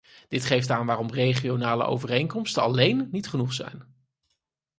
Dit geeft aan waarom regionale overeenkomsten alleen niet genoeg zijn.